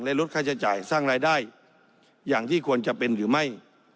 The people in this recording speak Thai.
และลดค่าใช้จ่ายสร้างรายได้อย่างที่ควรจะเป็นหรือไม่